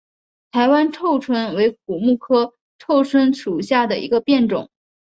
台湾臭椿为苦木科臭椿属下的一个变种。